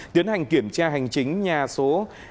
tiến hành kiểm tra hành chính nhà số